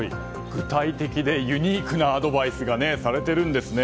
具体的でユニークなアドバイスがされているんですね。